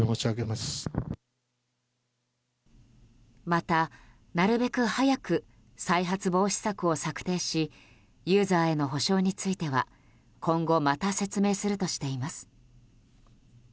また、なるべく早く再発防止策を策定しユーザーへの補償については今後また説明するとしています。